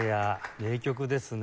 名曲ですね。